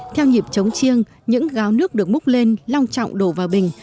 theo nhịp chống chiêng những gáo nước được múc lên long trọng đổ vào bình